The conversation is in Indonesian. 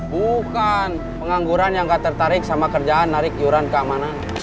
bukan pengangguran yang nggak tertarik sama kerjaan narik iuran keamanan